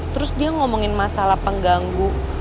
terus dia ngomongin masalah pengganggu